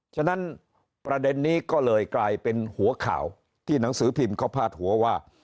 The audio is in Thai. ฉะนั้นประเด็นนี้ก็เลยกลายเป็นหัวข่าวที่หนังสือพิมพ์เขาพาดหัวว่า